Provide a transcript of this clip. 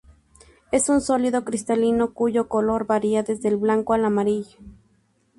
Es un sólido cristalino cuyo color varía desde el blanco al amarillo.